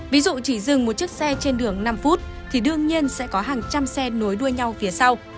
ví dụ chỉ dừng một chiếc xe trên đường năm phút thì đương nhiên sẽ có hàng trăm xe nối đuôi nhau phía sau